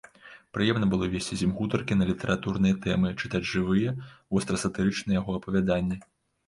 Прыемна было весці з ім гутаркі на літаратурныя тэмы, чытаць жывыя, вострасатырычныя яго апавяданні.